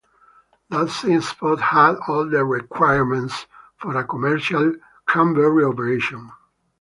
That same spot had all the requirements for a commercial cranberry operation.